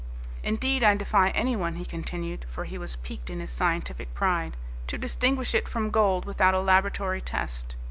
Indeed, I defy anyone," he continued, for he was piqued in his scientific pride, "to distinguish it from gold without a laboratory test.